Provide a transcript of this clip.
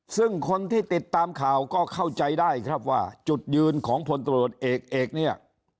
ซึ่งคนที่ติดตามข่าวก็เข้าใจได้ครับว่าจุดยืนของพลตรวจเอกเอกเนี่ย